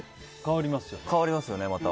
変わりますよね、また。